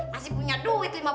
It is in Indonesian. masih punya duit